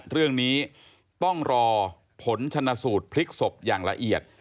เรื่องนี้ต้องรอผลชนะสูตรพลิกศพอย่างละเอียด